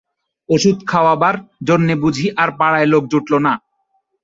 ওষুধ খাওয়াবার জন্যে বুঝি আর পাড়ায় লোক জুটল না!